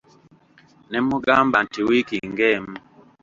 Ne mmugamba nti wiiki ng'emu.